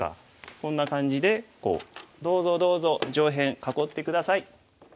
こんな感じでこう「どうぞどうぞ上辺囲って下さい」。